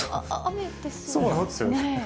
そうなんですよ。